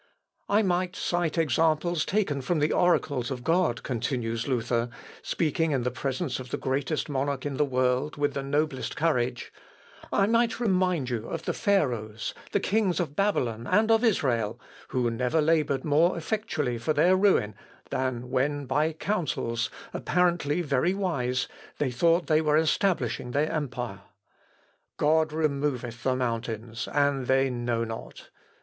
I might cite examples taken from the oracles of God," continues Luther, speaking in presence of the greatest monarch in the world with the noblest courage, "I might remind you of the Pharaohs, the kings of Babylon, and of Israel, who never laboured more effectually for their ruin than when by counsels, apparently very wise, they thought they were establishing their empire. '_God removeth the mountains, and they know not.